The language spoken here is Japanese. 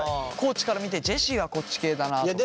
地から見てジェシーはこっち系だなとか。